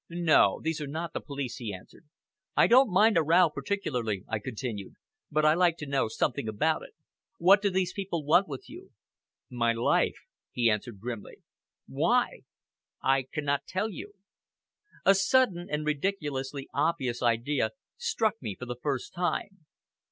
"No, these are not the police," he answered. "I don't mind a row particularly," I continued, "but I like to know something about it. What do these people want with you?" "My life!" he answered grimly. "Why?" "I cannot tell you!" A sudden and ridiculously obvious idea struck me for the first time.